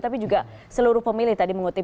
tapi juga seluruh pemilih tadi mengutip